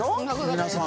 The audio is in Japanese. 皆さん。